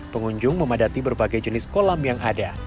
pengunjung memadati berbagai jenis kolam yang ada